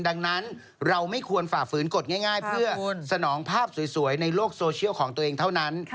ดังนั้นเราไม่ควรฝ่าฝืนกฎง่ายเพื่อสนองภาพสวยในโลกโซเชียลของตัวเองเท่านั้น